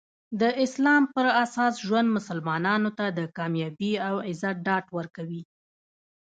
د اسلام پراساس ژوند مسلمانانو ته د کامیابي او عزت ډاډ ورکوي.